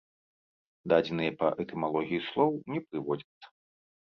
Дадзеныя па этымалогіі слоў не прыводзяцца.